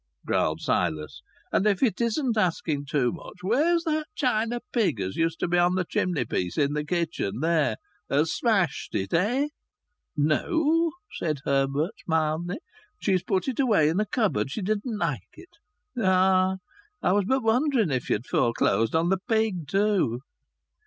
growled Silas. "And if it isn't asking too much, where's that china pig as used to be on the chimney piece in th' kitchen there? Her's smashed it, eh?" "No," said Herbert, mildly. "She's put it away in a cupboard. She didn't like it." "Ah! I was but wondering if ye'd foreclosed on th' pig too."